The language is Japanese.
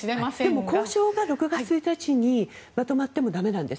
でも交渉が６月１日にまとまっても駄目なんです。